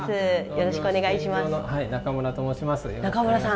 よろしくお願いします。